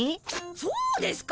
そうですか。